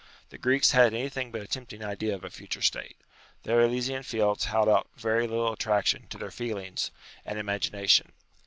The Greeks had anything but a tempting idea of a future state. Their Elysian fields held out very little attraction to their feelings UTILITY OF RELIGION 121 and imagination.